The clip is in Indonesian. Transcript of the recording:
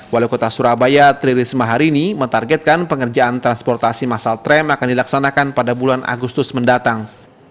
walau kota surabaya tririsma hari ini menargetkan pengerjaan transportasi masal tram akan dilaksanakan pada bulan agustus mendatang